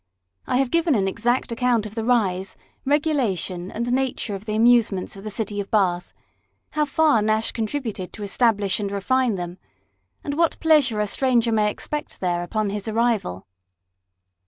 I have given an exact account of the rise, regulation, and nature of the amusements of the city of Bath; how far Nash contributed to establish and refine them, and what pleasure a stranger may expect there upon his arrival.